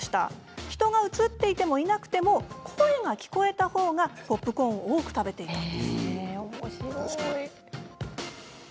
人が映っていてもいなくても声が聞こえたほうがポップコーンを多く食べました。